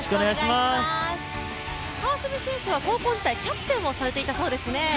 川澄選手は高校時代、キャプテンをされていたそうですね。